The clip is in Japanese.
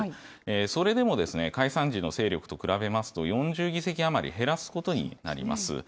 それでも、解散時の勢力と比べますと、４０議席余り減らすことになります。